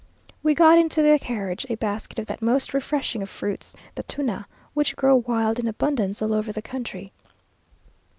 We got into the carriage a basket of that most refreshing of fruits, the tuna, which grow wild in abundance all over the country.